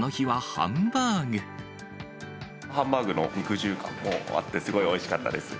ハンバーグの肉汁感もあって、すごいおいしかったです。